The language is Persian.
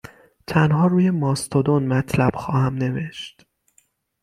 تنها روی ماستودون مطلب خواهم نوشت